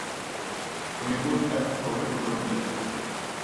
ئۇيغۇر ئەپ تورى قۇرۇلدى.